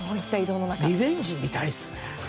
リベンジを見たいですね。